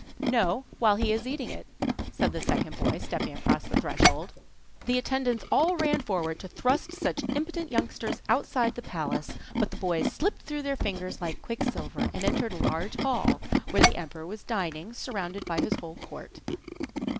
'No, while he is eating it,' said the second boy, stepping across the threshold. The attendants all ran forward to thrust such impudent youngsters outside the palace, but the boys slipped through their fingers like quicksilver, and entered a large hall, where the emperor was dining, surrounded by his whole court.